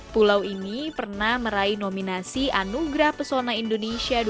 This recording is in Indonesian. pulau ini pernah meraih nominasi anugrah pesona indonesia